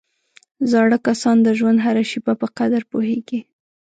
زاړه کسان د ژوند هره شېبه په قدر پوهېږي